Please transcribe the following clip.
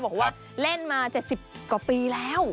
บอกว่าเล่นมา๗๐กว่าปีแล้ว